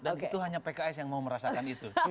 dan itu hanya pks yang mau merasakan itu